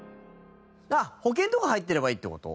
保険とか入ってればいいって事？